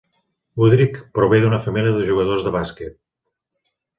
Udrich prové d"una família de jugadors de bàsquet.